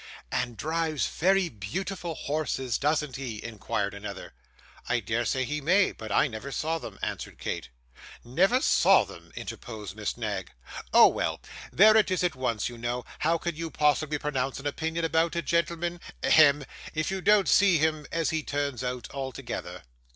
'And drives very beautiful horses, doesn't he?' inquired another. 'I dare say he may, but I never saw them,' answered Kate. 'Never saw them!' interposed Miss Knag. 'Oh, well! There it is at once you know; how can you possibly pronounce an opinion about a gentleman hem if you don't see him as he turns out altogether?